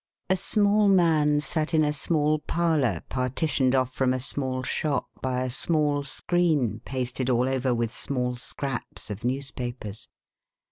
A SMALL man sat in a small parlour, partitioned off from a small shop by a small screen, pasted all over with small scraps of newspapers.